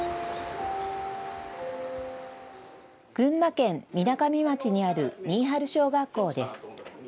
群馬県みなかみ町にある新治小学校です。